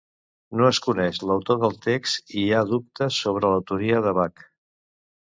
No es coneix l'autor del text i hi ha dubtes sobre l'autoria de Bach.